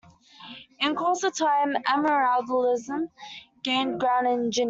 In course of time Amyraldism gained ground in Geneva.